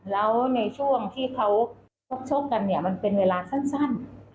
แล้วในช่วงที่เขาชกกันเนี่ยมันเป็นเวลาสั้น